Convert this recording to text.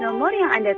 nomor yang anda tuju